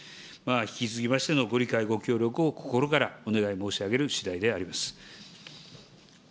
引き続きましてもご理解、ご協力を心からお願い申し上げるしだいであります。